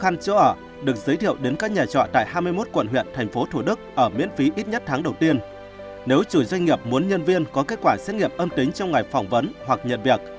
nếu chủ doanh nghiệp muốn nhân viên có kết quả xét nghiệp âm tính trong ngày phỏng vấn hoặc nhận việc